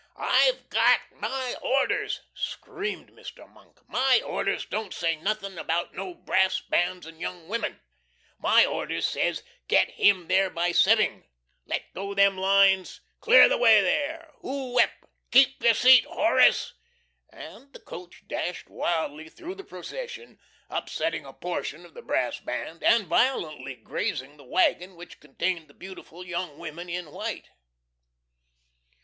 "I'VE GOT MY ORDERS!" screamed Mr. Monk. "My orders don't say nothin' about no brass bands and young women. My orders says, 'git him there by seving!' Let go them lines! Clear the way there! Whoo ep! KEEP YOUR SEAT, HORACE!" and the coach dashed wildly through the procession, upsetting a portion of the brass band, and violently grazing the wagon which contained the beautiful young women in white.